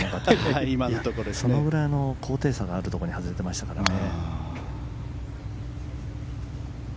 そのぐらいの高低差があるところに外れてましたからね。